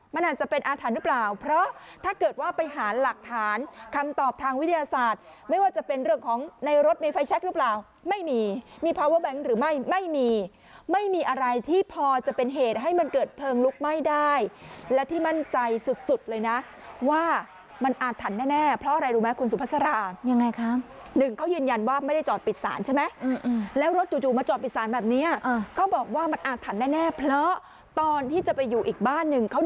มันอาจจะเป็นอาถรรพ์หรือเปล่าเพราะถ้าเกิดว่าไปหาหลักฐานคำตอบทางวิทยาศาสตร์ไม่ว่าจะเป็นเรื่องของในรถมีไฟแช็คหรือเปล่าไม่มีมีพาวเวอร์แบงค์หรือไม่ไม่มีไม่มีอะไรที่พอจะเป็นเหตุให้มันเกิดเพลิงลุกไหม้ได้และที่มั่นใจสุดเลยนะว่ามันอาถรรพ์แน่เพราะอะไรรู้ไหมคุณสุภาษาห